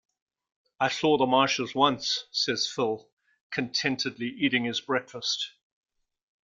"I saw the marshes once," says Phil, contentedly eating his breakfast.